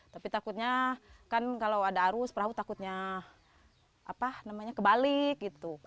tapi takutnya kan kalau ada arus perahu takutnya kebalik gitu